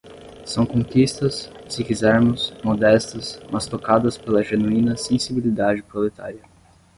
São conquistas, se quisermos, modestas, mas tocadas pela genuína sensibilidade proletária.